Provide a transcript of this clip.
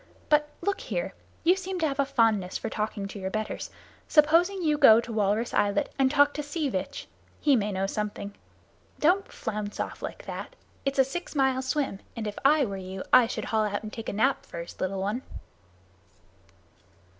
But look here you seem to have a fondness for talking to your betters suppose you go to Walrus Islet and talk to Sea Vitch. He may know something. Don't flounce off like that. It's a six mile swim, and if I were you I should haul out and take a nap first, little one."